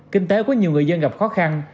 kinh tế của nhiều người dân gặp khó khăn